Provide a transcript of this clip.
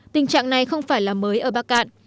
tình trạng này không phải là mới ở bắc cạn